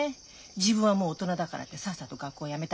自分はもう大人だからってさっさと学校やめたりしてさ。